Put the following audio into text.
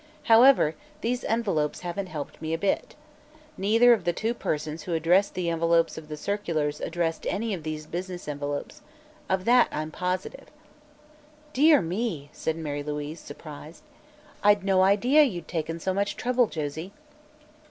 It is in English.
However, these envelopes haven't helped me a bit. Neither of the two persons who addressed the envelopes of the circulars addressed any of these business envelopes. Of that I'm positive." "Dear me," said Mary Louise, surprised, "I'd no idea you'd taken so much trouble, Josie."